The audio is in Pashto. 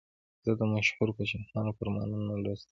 زه د مشهورو پاچاهانو فرمانونه لوستل خوښوم.